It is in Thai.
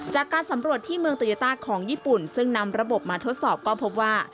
จากการสำรวจที่เมืองโตโยต้าของญี่ปุ่นซึ่งนำระบบมาทดสอบก็พบว่า